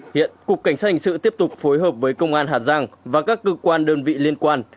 hiện cục cảnh sát hình sự tiếp tục phối hợp với công an hà giang và các cơ quan đơn vị liên quan